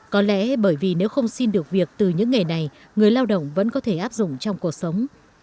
có lẽ bởi vì nếu không xin được việc từ những nghề này người lao động vẫn có thể áp dụng trong cuộc sống